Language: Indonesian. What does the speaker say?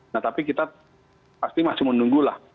nah tapi kita pasti masih menunggulah